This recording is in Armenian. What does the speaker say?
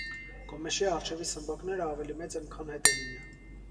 Գոմեշի առջևի սմբակները ավելի մեծ են, քան հետևինը։